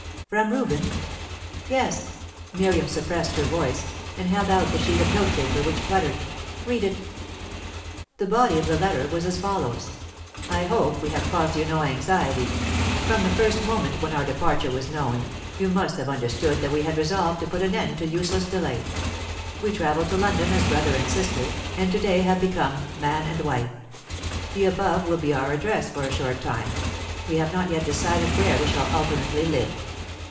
"From Reuben!" "Yes." Miriam suppressed her voice, and held out the sheet of note paper, which fluttered. "Read it." The body of the letter was as follows: "I hope we have caused you no anxiety; from the first moment when our departure was known, you must have understood that we had resolved to put an end to useless delay. We travelled to London as brother and sister, and to day have become man and wife. The above will be our address for a short time; we have not yet decided where we shall ultimately live.